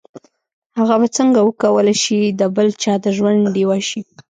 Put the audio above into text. هغه به څنګه وکولای شي د بل چا د ژوند ډيوه شي.